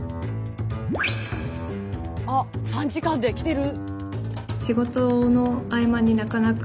あっ３時間できてる！